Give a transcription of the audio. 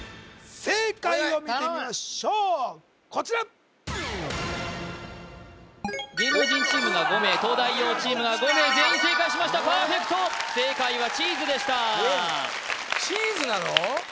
正解を見てみましょうこちら芸能人チームが５名東大王チームが５名全員正解しましたパーフェクト正解はチーズでしたチーズなの？